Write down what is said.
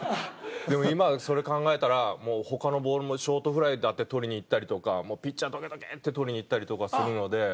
でも今はそれ考えたら他のボールもショートフライだって捕りに行ったりとか「ピッチャーどけどけ！」って捕りに行ったりとかするので。